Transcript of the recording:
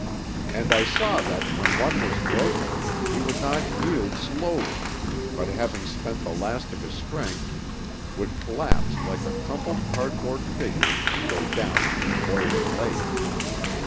And I saw that, when one was broken, he would not yield slowly, but, having spent the last of his strength, would collapse like a crumpled cardboard figure and go down into the boiling lake.